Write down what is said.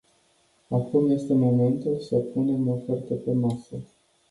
Acum este momentul să punem oferte pe masă.